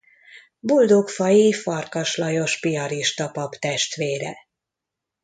Boldogfai Farkas Lajos piarista pap testvére.